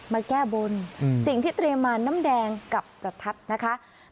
มาแก้บนสิ่งที่เตรียมมาน้ำแดงกับประทัดนะคะ